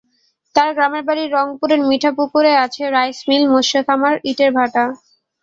তার গ্রামের বাড়ি রংপুরের মিঠাপুকুরে আছে রাইস মিল, মৎস্য খামার, ইটের ভাটা।